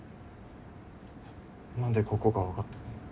何でここが分かったの？